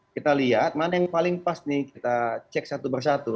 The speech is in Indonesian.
kita lihat mana yang paling pas nih kita cek satu persatu